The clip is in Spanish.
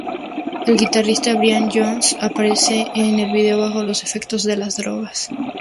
El guitarrista Brian Jones aparece en el video bajo los efectos de las drogas.